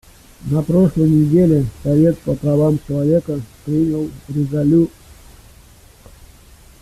На прошлой неделе Совет по правам человека принял резолю.